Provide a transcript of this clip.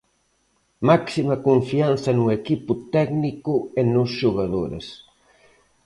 Máxima confianza no equipo técnico e nos xogadores.